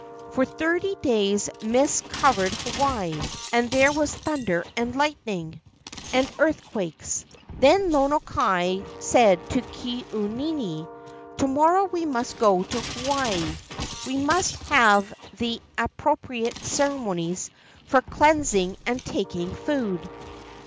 For thirty days mists covered Hawaii and there was thunder and lightning and earthquakes. Then Lono kai said to Ke au nini: "To morrow we must go to Hawaii. We must have the ap¬ propriate ceremonies for cleansing and taking food."